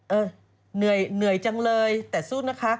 เหนื่อยเหนื่อยจังเลยแต่สู้นะคะ